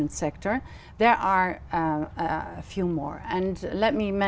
thủ tướng của việt nam